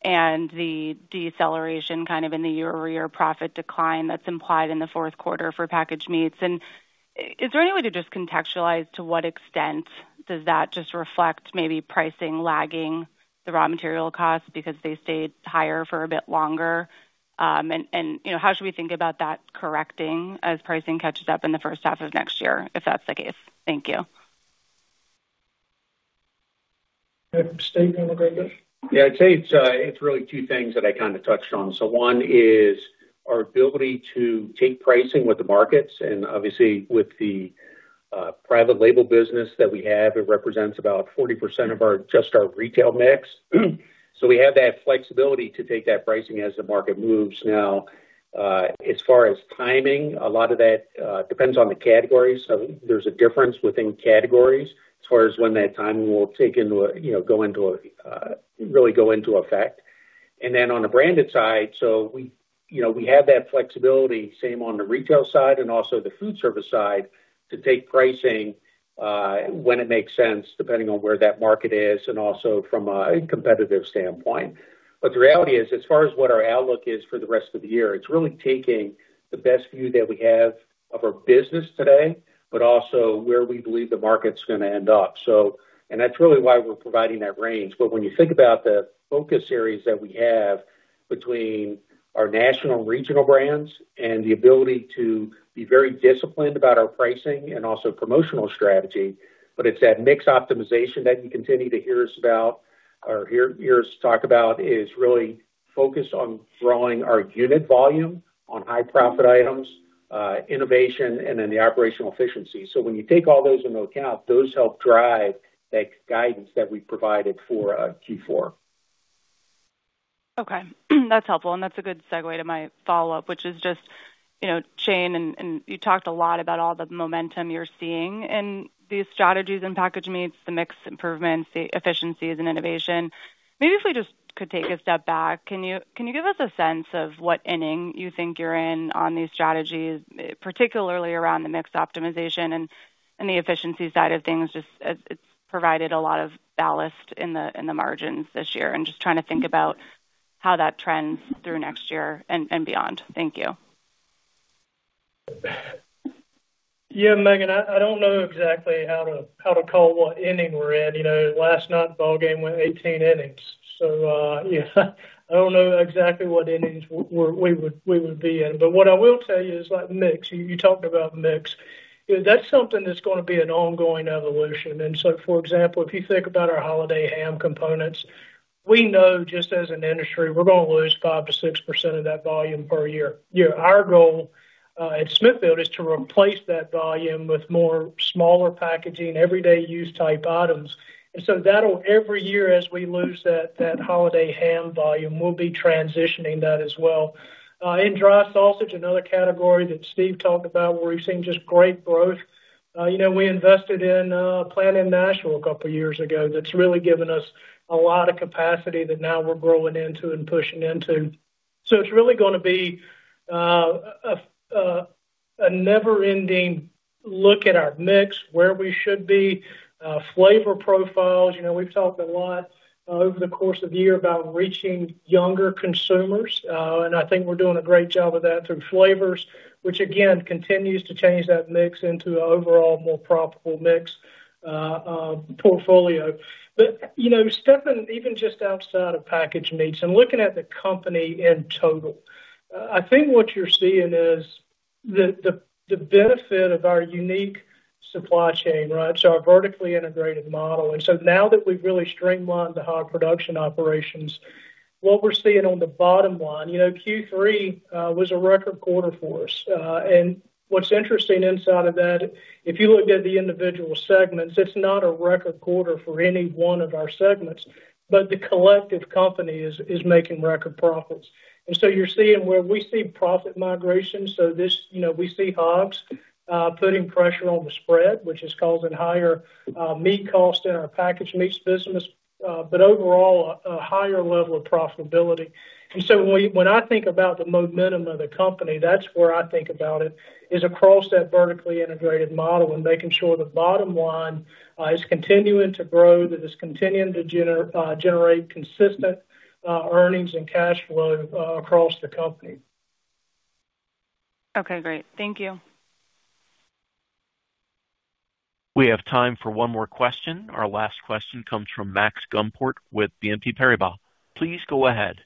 and the deceleration in the year-over-year profit decline that's implied in the fourth quarter for packaged meats. Is there any way to contextualize to what extent does that reflect maybe pricing lagging the raw material costs because they stayed higher for a bit longer? How should we think about that correcting as pricing catches up in the first half of next year, if that's the case? Thank you. Yeah, Steve, you want to go first? Yeah, I'd say it's really two things that I kind of touched on. One is our ability to take pricing with the markets. Obviously, with the private label business that we have, it represents about 40% of just our retail mix. We have that flexibility to take that pricing as the market moves. Now, as far as timing, a lot of that depends on the category. There's a difference within categories as far as when that timing will really go into effect. On the branded side, we have that flexibility, same on the retail side and also the food service side, to take pricing when it makes sense, depending on where that market is and also from a competitive standpoint. The reality is, as far as what our outlook is for the rest of the year, it's really taking the best view that we have of our business today, but also where we believe the market's going to end up. That's really why we're providing that range. When you think about the focus areas that we have between our national and regional brands and the ability to be very disciplined about our pricing and also promotional strategy, it's that mix optimization that you continue to hear us talk about. It's really focused on growing our unit volume on high-profit items, innovation, and then the operational efficiency. When you take all those into account, those help drive that guidance that we provided for Q4. Okay. That's helpful. That's a good segue to my follow-up, which is just, you know, Shane, you talked a lot about all the momentum you're seeing in these strategies and packaged meats, the mix improvements, the efficiencies, and innovation. Maybe if we just could take a step back, can you give us a sense of what inning you think you're in on these strategies, particularly around the mix optimization and the efficiency side of things? It's provided a lot of ballast in the margins this year. Just trying to think about how that trends through next year and beyond. Thank you. Yeah, Megan, I don't know exactly how to call what inning we're in. Last night's ballgame went 18 innings. I don't know exactly what innings we would be in. What I will tell you is like mix, you talked about mix. That's something that's going to be an ongoing evolution. For example, if you think about our holiday ham components, we know just as an industry, we're going to lose 5%-6% of that volume per year. Our goal at Smithfield is to replace that volume with more smaller packaging, everyday use type items. That'll every year as we lose that holiday ham volume, we'll be transitioning that as well. In dry sausage, another category that Steve talked about where we've seen just great growth, we invested in a plant in Nashville a couple of years ago that's really given us a lot of capacity that now we're growing into and pushing into. It's really going to be a never-ending look at our mix, where we should be, flavor profiles. We've talked a lot over the course of the year about reaching younger consumers. I think we're doing a great job of that through flavors, which again continues to change that mix into an overall more profitable mix portfolio. Steve, even just outside of packaged meats and looking at the company in total, I think what you're seeing is the benefit of our unique supply chain, right? Our vertically integrated model. Now that we've really streamlined the hog production operations, what we're seeing on the bottom line, Q3 was a record quarter for us. What's interesting inside of that, if you look at the individual segments, it's not a record quarter for any one of our segments, but the collective company is making record profits. You're seeing where we see profit migration. We see hogs putting pressure on the spread, which is causing higher meat costs in our packaged meats business, but overall a higher level of profitability. When I think about the momentum of the company, that's where I think about it is across that vertically integrated model and making sure the bottom line is continuing to grow, that it's continuing to generate consistent earnings and cash flow across the company. Okay, great. Thank you. We have time for one more question. Our last question comes from Max Gumport with BNP Paribas. Please go ahead.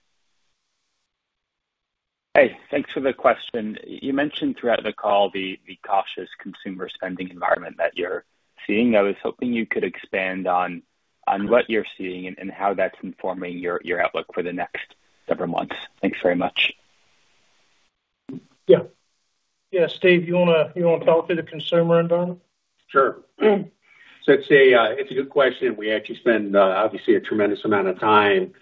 Hey, thanks for the question. You mentioned throughout the call the cautious consumer spending environment that you're seeing. I was hoping you could expand on what you're seeing and how that's informing your outlook for the next several months. Thanks very much. Yeah, Steve, you want to talk to the consumer environment? Sure. It's a good question. We actually spend, obviously, a tremendous amount of time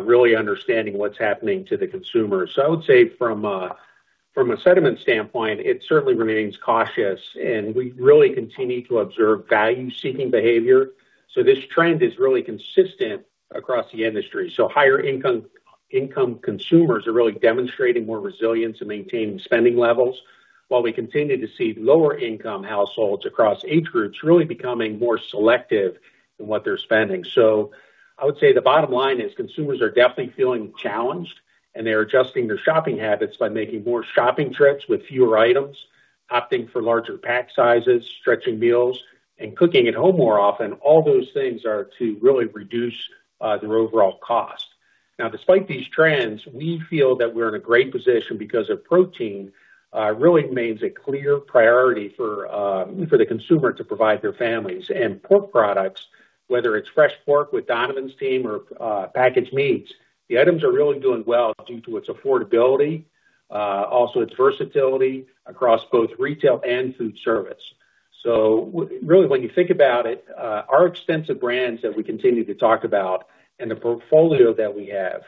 really understanding what's happening to the consumer. I would say from a sentiment standpoint, it certainly remains cautious. We really continue to observe value-seeking behavior. This trend is really consistent across the industry. Higher income consumers are really demonstrating more resilience and maintaining spending levels, while we continue to see lower-income households across age groups really becoming more selective in what they're spending. I would say the bottom line is consumers are definitely feeling challenged, and they're adjusting their shopping habits by making more shopping trips with fewer items, opting for larger pack sizes, stretching meals, and cooking at home more often. All those things are to really reduce their overall cost. Now, despite these trends, we feel that we're in a great position because protein really remains a clear priority for the consumer to provide their families. Pork products, whether it's fresh pork with Donovan's team or packaged meats, the items are really doing well due to their affordability and also their versatility across both retail and food service. When you think about it, our extensive brands that we continue to talk about and the portfolio that we have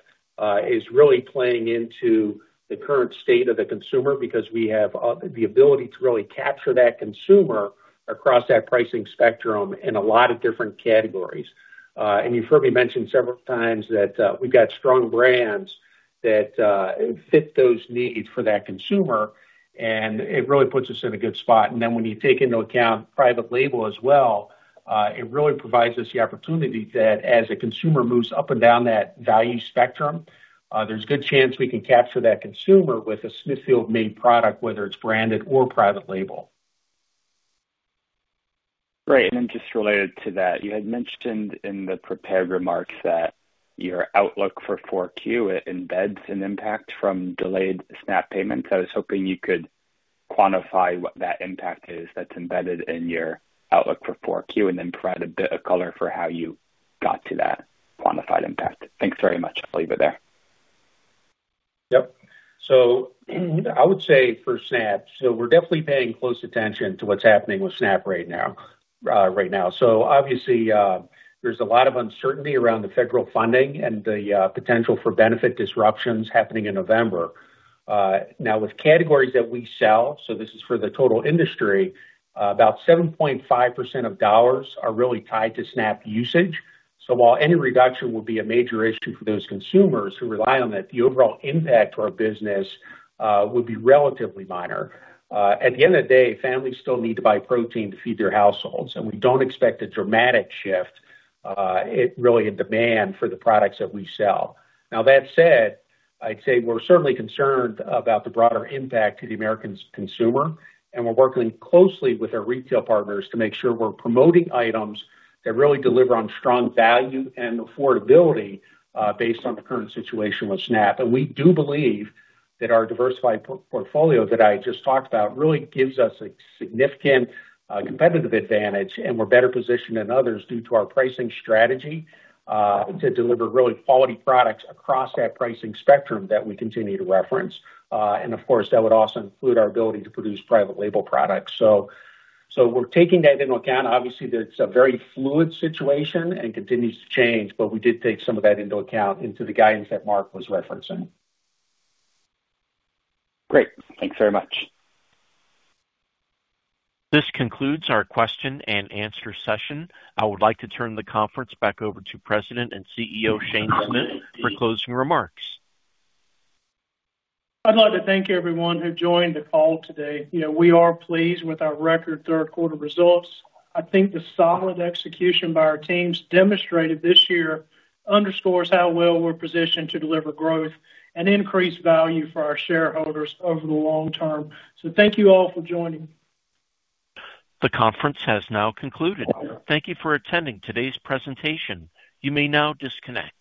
is really playing into the current state of the consumer because we have the ability to really capture that consumer across that pricing spectrum in a lot of different categories. You've heard me mention several times that we've got strong brands that fit those needs for that consumer, and it really puts us in a good spot. When you take into account private label as well, it really provides us the opportunity that as a consumer moves up and down that value spectrum, there's a good chance we can capture that consumer with a Smithfield-made product, whether it's branded or private label. Right. Just related to that, you had mentioned in the prepared remarks that your outlook for 4Q embeds an impact from delayed SNAP payments. I was hoping you could quantify what that impact is that's embedded in your outlook for 4Q and then provide a bit of color for how you got to that quantified impact. Thanks very much. I'll leave it there. I would say for SNAP, we're definitely paying close attention to what's happening with SNAP right now. Obviously, there's a lot of uncertainty around the federal funding and the potential for benefit disruptions happening in November. With categories that we sell, for the total industry, about 7.5% of dollars are really tied to SNAP usage. While any reduction would be a major issue for those consumers who rely on that, the overall impact to our business would be relatively minor. At the end of the day, families still need to buy protein to feed their households, and we don't expect a dramatic shift in demand for the products that we sell. That said, I'd say we're certainly concerned about the broader impact to the American consumer, and we're working closely with our retail partners to make sure we're promoting items that really deliver on strong value and affordability based on the current situation with SNAP. We do believe that our diversified portfolio that I just talked about really gives us a significant competitive advantage, and we're better positioned than others due to our pricing strategy to deliver quality products across that pricing spectrum that we continue to reference. Of course, that would also include our ability to produce private label products. We're taking that into account. Obviously, it's a very fluid situation and continues to change, but we did take some of that into account into the guidance that Mark was referencing. Great, thanks very much. This concludes our question and answer session. I would like to turn the conference back over to President and CEO Shane Smith for closing remarks. I'd like to thank everyone who joined the call today. We are pleased with our record third-quarter results. I think the solid execution by our teams demonstrated this year underscores how well we're positioned to deliver growth and increase value for our shareholders over the long-term. Thank you all for joining. The conference has now concluded. Thank you for attending today's presentation. You may now disconnect.